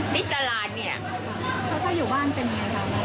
มิตรตลาดนี่